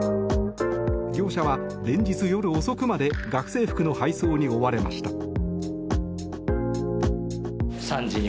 業者は連日夜遅くまで学生服の配送に追われました。